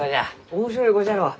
面白い子じゃろう？